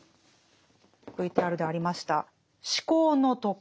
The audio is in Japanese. ＶＴＲでありました「思考の徳」。